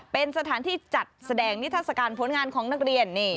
เป็นสถานที่จัดแสดงนิทัศกาลผลงานของนักเรียน